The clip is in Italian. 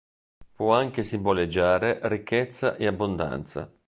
Può anche simboleggiare ricchezza e abbondanza.